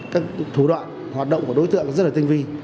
các thủ đoạn hoạt động của đối tượng rất là tinh vi